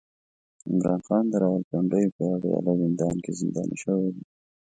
عمران خان د راولپنډۍ په اډياله زندان کې زنداني شوی دی